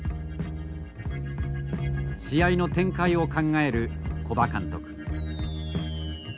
試合の展開を考える古葉監督。